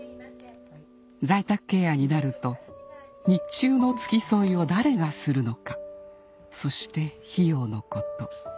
在宅ケアになると日中の付き添いを誰がするのかそして費用のこと